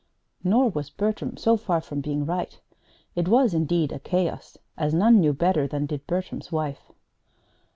Nor was Bertram so far from being right. It was, indeed, a chaos, as none knew better than did Bertram's wife.